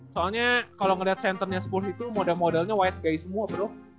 soalnya kalau ngeliat centernya spurs itu moda modanya white guy semua bro